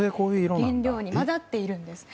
原料に混ざっているんです。